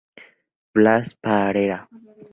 Blas Parera, Av.